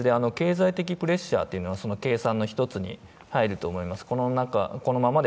経済的プレッシャーというのが計算の１つに入ると思います。